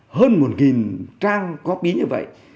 hơn một trang góp ý như vậy